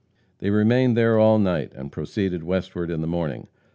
They remained there all night, and proceeded westward in the morning.